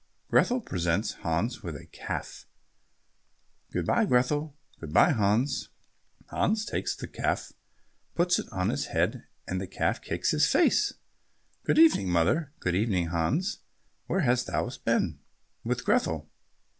Grethel presents Hans with a calf. "Good bye, Grethel." "Good bye, Hans." Hans takes the calf, puts it on his head, and the calf kicks his face. "Good evening, mother." "Good evening, Hans. Where hast thou been?" "With Grethel."